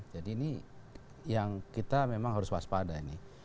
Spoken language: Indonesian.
jadi ini yang kita memang harus waspada ini